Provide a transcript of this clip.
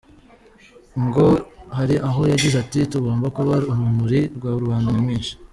Ngo hari aho yagize ati “Tugomba kuba urumuri rwa rubanda nyamwinshi.